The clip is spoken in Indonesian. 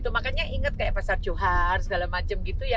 makanya inget kayak pasar johar segala macam gitu ya